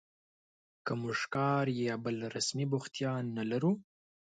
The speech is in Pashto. که موږ کار یا بله رسمي بوختیا نه لرو